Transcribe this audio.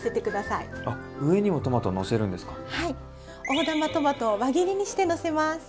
大玉トマトを輪切りにしてのせます。